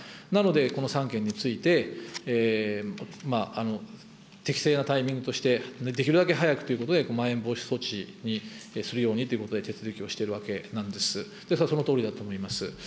なのでこの３県について、適正なタイミングとして、できるだけ早くということで、まん延防止措置にするようにということで、手続きをしているわけなんです。ですからそのとおりだと思います。